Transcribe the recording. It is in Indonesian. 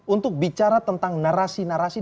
untuk bicara tentang narasi narasi